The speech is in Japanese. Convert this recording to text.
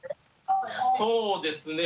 そうですね。